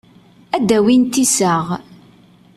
Ad d-awint iseɣ.